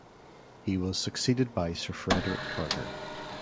He was succeeded by Sir Frederick Carter.